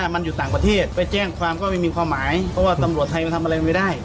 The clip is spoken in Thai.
มันอยู่ต่างประเทศไปแจ้งความก็ไม่มีความหมายเพราะว่าตำรวจไทยมันทำอะไรไม่ได้